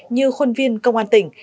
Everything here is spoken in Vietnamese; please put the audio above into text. như khuôn viên công an tỉnh